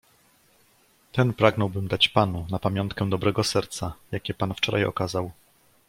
"Ten pragnąłbym dać panu, na pamiątkę dobrego serca, jakie pan wczoraj okazał."